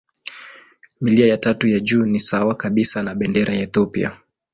Milia ya tatu ya juu ni sawa kabisa na bendera ya Ethiopia.